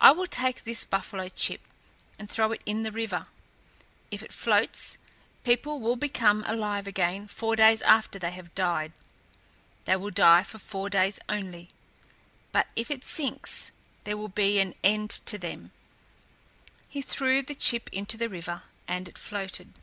I will take this buffalo chip and throw it in the river. If it floats, people will become alive again four days after they have died; they will die for four days only. But if it sinks, there will be an end to them." He threw the chip into the river, and it floated.